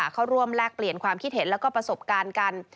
เข้าร่วมแลกเปลี่ยนความคิดเห็นแล้วก็ประสบการณ์กัน